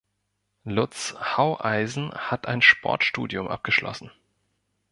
Lutz Haueisen hat ein Sportstudium abgeschlossen.